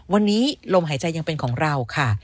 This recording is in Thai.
วันนี้ลมหายใจยังเป็นของเราค่ะ